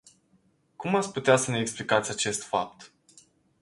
Cum ați putea să ne explicați acest fapt?